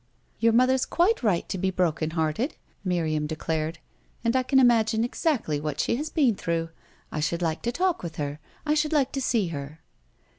"Your mother's quite right to be broken hearted," Miriam declared, "and I can imagine exactly what she has been through. I should like to talk with her I should like to see her."